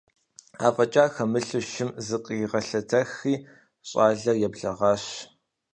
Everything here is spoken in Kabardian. АфӀэкӀа хэмылъу шым зыкъригъэлъэтэхри, щӀалэр еблэгъащ.